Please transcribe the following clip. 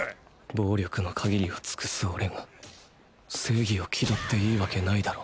暴力の限りを尽くすオレが正義を気取っていいわけないだろ